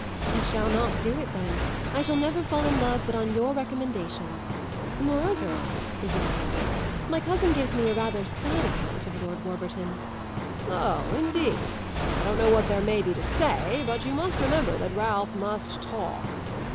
"I shall not do it then; I shall never fall in love but on your recommendation. Moreover," Isabel added, "my cousin gives me rather a sad account of Lord Warburton." "Oh, indeed? I don't know what there may be to say, but you must remember that Ralph must talk."